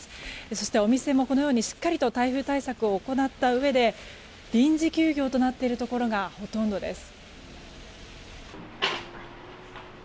そして、お店もこのようにしっかりと台風対策を行ったうえで臨時休業となっているところがほとんどです。